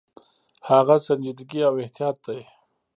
هغه سنجیدګي او احتیاط دی.